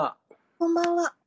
「こんばんは。